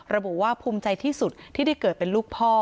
ระบุว่าภูมิใจที่สุดที่ได้เกิดเป็นลูกพ่อ